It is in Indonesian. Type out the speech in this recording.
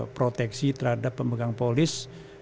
proteksi terhadap pemegang polis